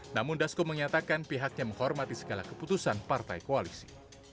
namun dasko menyatakan pihaknya menghormati segala keputusan partai koalisi